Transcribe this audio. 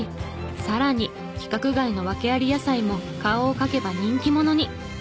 さらに規格外の訳あり野菜も顔を描けば人気者に！